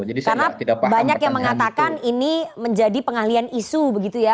karena banyak yang mengatakan ini menjadi pengalian isu begitu ya